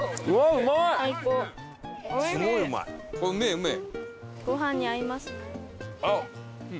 うめえうめえ！